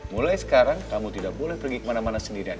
mulai sekarang kamu tidak boleh pergi kemana mana sendirian